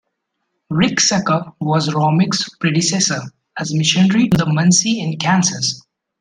Ricksecker was Romig's predecessor as missionary to the Munsee in Kansas.